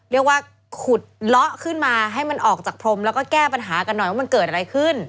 เรียกว่าขุดเลาะขึ้นมาให้มันออกจากพรมแล้วก็แก้ปัญหากันหน่อยว่ามันเกิดอะไรขึ้น